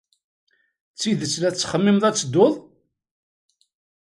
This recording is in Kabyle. D tidet la tettxemmimeḍ ad tedduḍ?